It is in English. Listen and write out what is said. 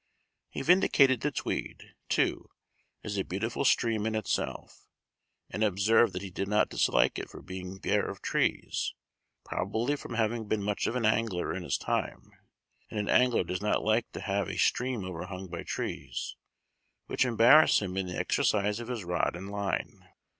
He vindicated the Tweed, too, as a beautiful stream in itself, and observed that he did not dislike it for being bare of trees, probably from having been much of an angler in his time, and an angler does not like to have a stream overhung by trees, which embarrass him in the exercise of his rod and line.